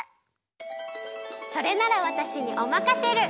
それならわたしにおまかシェル！